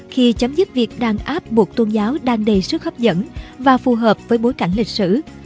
khi chấm dứt việc đàn áp buộc tôn giáo đàn đầy sức hấp dẫn và phù hợp với bối cảnh lịch sử